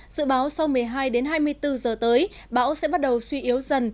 dự báo sau một mươi hai đến hai mươi bốn giờ tới bão sẽ bắt đầu suy yếu dần